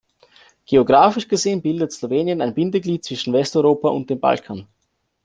Geographisch gesehen bildet Slowenien ein Bindeglied zwischen Westeuropa und dem Balkan.